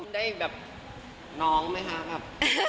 ได้แบบน้องไหมคะแบบ